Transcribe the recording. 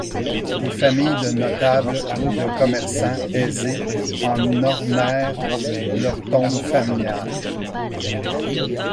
Des familles de notables ou de commerçants aisés en ornèrent leur tombe familiale.